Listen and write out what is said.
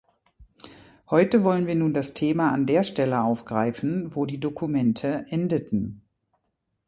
Heute wollen wir nun das Thema an der Stelle aufgreifen, wo die Dokumente endeten.